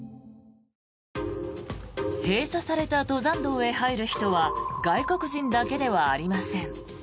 閉鎖された登山道へ入る人は外国人だけではありません。